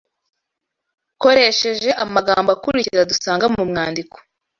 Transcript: koresheje amagambo akurikira dusanga mu mwandiko